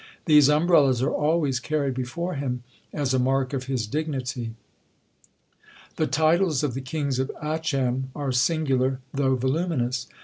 These umbrellas are always carried before him as a mark of his dignity. The titles of the kings of Achem are singular, though voluminous.